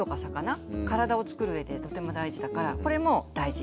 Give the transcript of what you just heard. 体をつくる上でとても大事だからこれも大事。